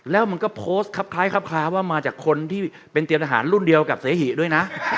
แล้วมันก็โพสต์ครับคล้ายครับคลาว่ามาจากคนที่เป็นเตรียมทหารรุ่นเดียวกับเสหิด้วยนะ